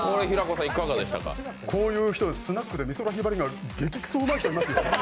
こういう人、スナックで美空ひばりとか劇くそうまい人いますね。